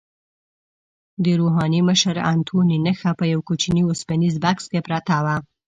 د روحاني مشر انتوني نخښه په یوه کوچني اوسپنیز بکس کې پرته وه.